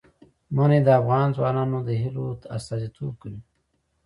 منی د افغان ځوانانو د هیلو استازیتوب کوي.